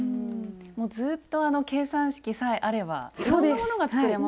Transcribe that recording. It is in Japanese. もうずっとあの計算式さえあればいろんなものが作れますもんね。